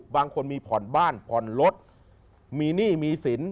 บางคนมีผ่อนบ้านผ่อนรถมีหนี้มีสิน